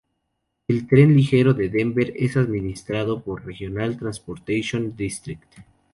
El Tren Ligero de Denver es administrado por Regional Transportation District.